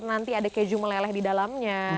nanti ada keju meleleh di dalamnya